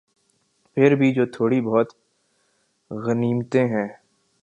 پھر بھی جو تھوڑی بہت غنیمتیں ہیں۔